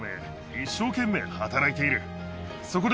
そこで。